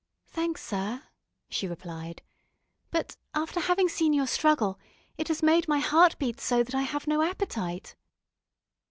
"Thanks, sir," she replied, "but, after having seen your struggle, it has made my heart beat so that I have no appetite."